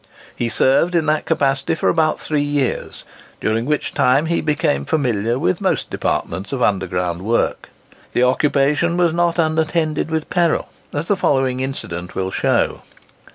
He served in that capacity for about three years, during which time he became familiar with most departments of underground work. The occupation was not unattended with peril, as the following incident will show.